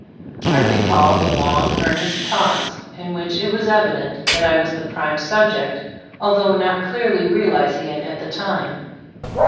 I recall the long, earnest talks, in which it was evident that I was the prime subject, although not clearly realizing it at the time.